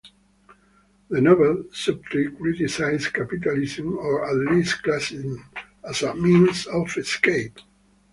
The novel subtly criticizes capitalism, or at least classism, as a means of escape.